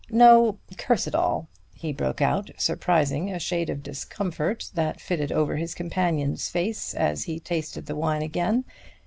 No, curse it all!" he broke out, surprising a shade of discomfort that fitted over his companion's face as he tasted the wine again.